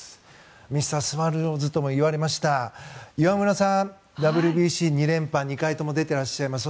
ミスタースワローズともいわれました岩村さん、ＷＢＣ２連覇２回とも出ていらっしゃいます。